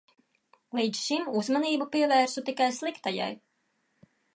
Līdz šim uzmanību pievērsu tikai sliktajai.